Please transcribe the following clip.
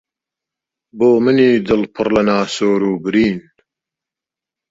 بۆ منی دڵ پڕ لە ناسۆر و برین